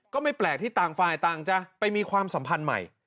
ก็ไม่แปลกที่ต่างฝ่ายต่างจะไปมีความสัมพันธ์ใหม่